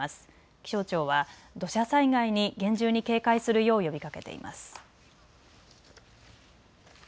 気象庁は土砂災害に厳重に警戒するよう呼びかけています。